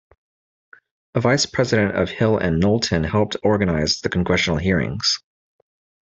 A vice president of Hill and Knowlton helped organize the congressional hearings.